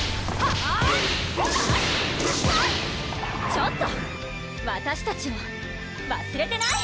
ちょっとわたしたちをわすれてない？